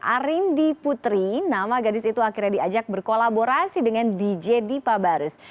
arindi putri nama gadis itu akhirnya diajak berkolaborasi dengan dj dipa barus